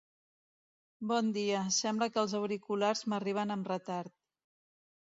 Bon dia, sembla que els auriculars m'arriben amb retard.